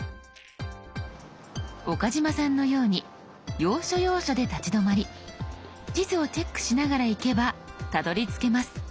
岡嶋さんのように要所要所で立ち止まり地図をチェックしながら行けばたどりつけます。